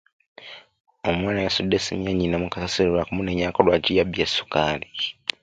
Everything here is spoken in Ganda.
Omwana yasudde essim ya nnyina mu kasasiro lwa kumunennyako lwaki yabye sukali.